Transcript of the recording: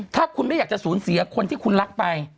ถ้าคุณไม่อยากจะสูญเสียคนที่คุณรักไป